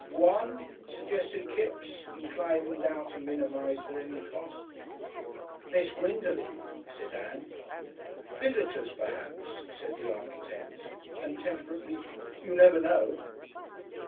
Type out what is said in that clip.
"One?" suggested Kipps, inclined now to minimise at any cost. "There's Gwendolen," said Ann. "Visitors perhaps," said the architect, and temperately, "You never know."